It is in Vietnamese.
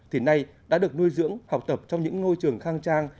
thì nay đã được nuôi dưỡng học tập trong những ngôi trường khang trang